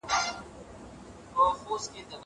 زه لوښي وچولي دي!!